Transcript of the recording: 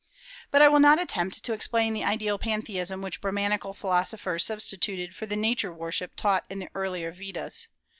But I will not attempt to explain the ideal pantheism which Brahmanical philosophers substituted for the Nature worship taught in the earlier Vedas.